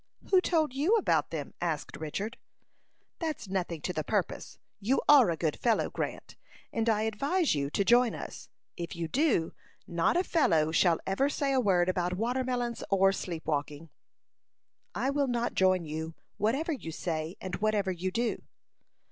"Who told you about them?" asked Richard. "That's nothing to the purpose. You are a good fellow, Grant, and I advise you to join us; if you do, not a fellow shall ever say a word about watermelons or sleep walking." "I will not join you, whatever you say and whatever you do."